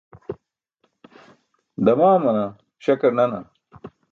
Damaamana śakar nana.